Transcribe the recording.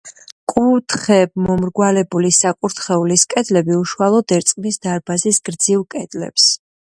კუთხეებმომრგვალებული საკურთხევლის კედლები უშუალოდ ერწყმის დარბაზის გრძივ კედლებს.